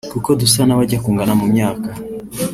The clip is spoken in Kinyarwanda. Kuko dusa n’abajya kungana mu myaka